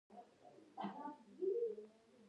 لس دقیقې لاره ده